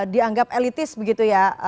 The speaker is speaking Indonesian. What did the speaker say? dianggap elitis begitu ya